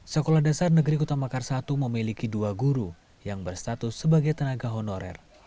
sekolah dasar negeri kutamekar i memiliki dua guru yang berstatus sebagai tenaga honorer